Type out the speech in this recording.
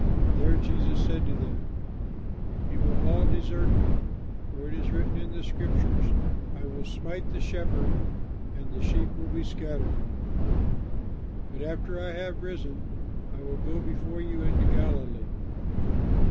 There Jesus said to them, "You will all desert me, for it is written in the scriptures: 'I will smite the shepherd and the sheep will be scattered.' But after I have risen, I will go before you into Galilee."